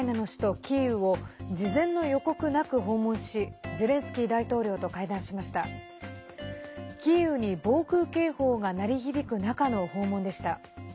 キーウに、防空警報が鳴り響く中の訪問でした。